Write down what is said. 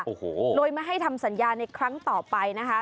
โอ้โหโดยไม่ให้ทำสัญญาในครั้งต่อไปนะคะ